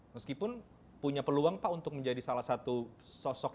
meskipun punya peluang pak untuk menjadi salah satu sosok